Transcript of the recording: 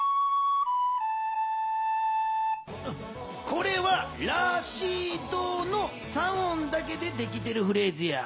これは「ラシド」の３音だけでできてるフレーズや。